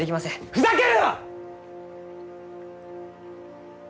ふざけるな！